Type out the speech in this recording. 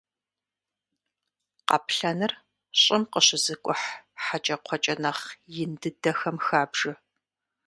Къаплъэныр щӏым къыщызыкӏухь хьэкӏэкхъуэкӏэ нэхъ ин дыдэхэм хабжэ.